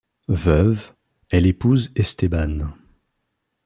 Veuve, elle épouse Estéban.